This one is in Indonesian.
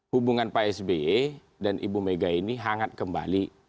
hubungan pak sby dan ibu mega ini hangat kembali